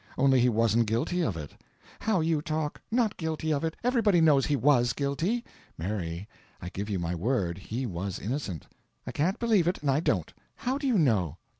Only he wasn't guilty of it." "How you talk! Not guilty of it! Everybody knows he WAS guilty." "Mary, I give you my word he was innocent." "I can't believe it and I don't. How do you know?"